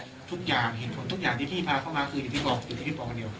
ทุกอย่างที่พี่พาเข้ามาคืออยู่ที่กอดอยู่ที่พี่พอคนเดียว